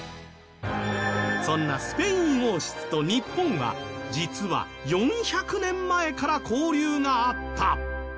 そんなスペイン王室と日本は実は、４００年前から交流があった。